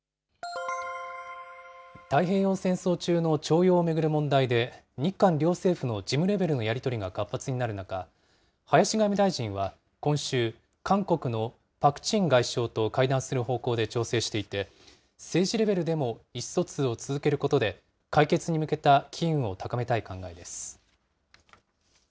太平洋戦争中の徴用を巡る問題で、日韓両政府の事務レベルのやり取りが活発になる中、林外務大臣は今週、韓国のパク・チン外相と会談する方向で調整していて、政治レベルでも意思疎通を続けることで解決に向けた機運を高めたい考えです。